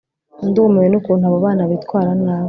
Ndumiwe nukuntu abo bana bitwara nabi